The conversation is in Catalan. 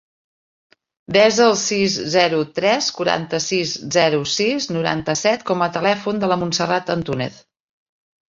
Desa el sis, zero, tres, quaranta-sis, zero, sis, noranta-set com a telèfon de la Montserrat Antunez.